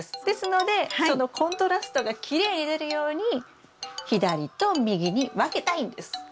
ですのでそのコントラストがきれいに出るように左と右に分けたいんです。